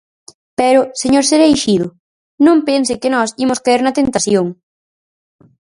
Pero, señor Cereixido, non pense que nós imos caer na tentación.